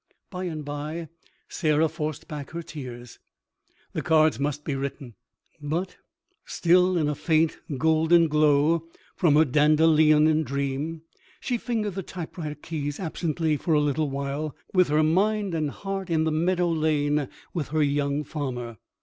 By and by Sarah forced back her tears. The cards must be written. But, still in a faint, golden glow from her dandeleonine dream, she fingered the typewriter keys absently for a little while, with her mind and heart in the meadow lane with her young farmer.